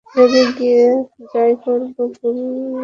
রেগে গিয়ে যা ই করবো, ভালো লাগবে?